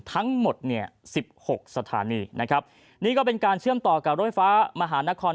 ทั้งหมด๑๖สถานีนี่ก็เป็นการเชื่อมต่อกับรถไฟฟ้ามหานคร